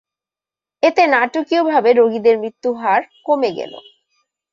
এতে নাটকীয়ভাবে রোগীদের মৃত্যুহার কমে গেলো।